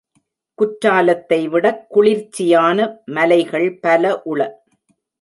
குற்றாலத்தைவிடக் குளிர்ச்சியான மலைகள் பல உள.